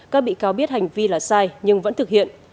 các bị cáo biết hành vi là sai nhưng vẫn thực hiện